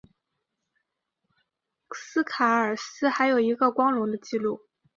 斯凯尔斯还有一个光荣的记录。